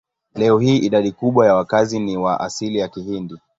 Leo hii idadi kubwa ya wakazi ni wa asili ya Kihindi.